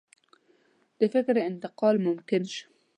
د فکر انتقال ممکن شو.